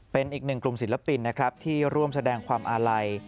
เป็นอีกหนึ่งกลุ่มศิลปินนะครับที่ร่วมแสดงความอาลัย